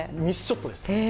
ミスショットです。